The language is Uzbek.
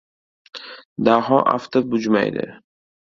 Daho afti bujmaydi.